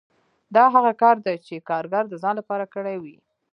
دا هغه کار دی چې کارګر د ځان لپاره کړی وي